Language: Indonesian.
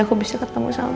aku bisa ketemu sama oma oma